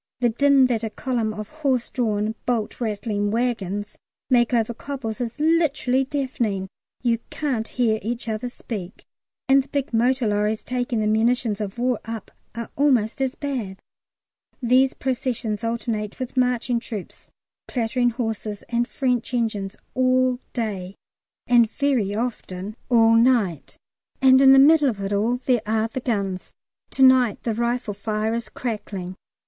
The din that a column of horse drawn, bolt rattling waggons make over cobbles is literally deafening; you can't hear each other speak. And the big motor lorries taking the "munitions of war" up are almost as bad. These processions alternate with marching troops, clattering horses, and French engines all day, and very often all night, and in the middle of it all there are the guns. Tonight the rifle firing is crackling.